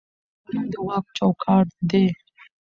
قانون د واک چوکاټ دی